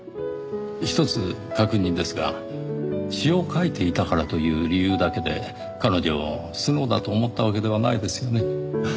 ひとつ確認ですが詩を書いていたからという理由だけで彼女をスノウだと思ったわけではないですよね？